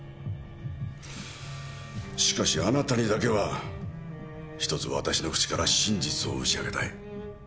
しかしあなたにだけは１つ私の口から真実を打ち明けたい。